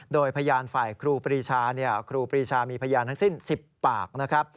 โดยพยานฝ่ายครูปรีชาครูปรีชามีพยานทั้งสิ้น๑๐ปากนะครับ